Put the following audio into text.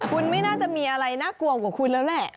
คุณไม่น่าจะมีอะไรน่ากลัวกว่าคุณแล้วแหละ